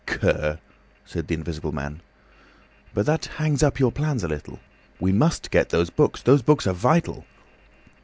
"Cur!" said the Invisible Man. "But that hangs up your plans a little." "We must get those books; those books are vital."